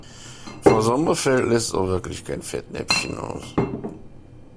Frau Sommerfeld lässt auch wirklich kein Fettnäpfchen aus.